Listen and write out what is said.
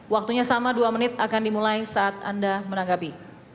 waktunya sama dua menit akan dimulai saat anda menanggapi